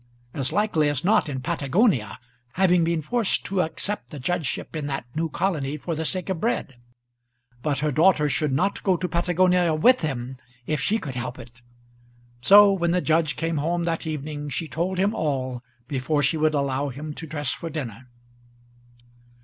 As likely as not in Patagonia, having been forced to accept a judgeship in that new colony for the sake of bread. But her daughter should not go to Patagonia with him if she could help it! So when the judge came home that evening, she told him all before she would allow him to dress for dinner.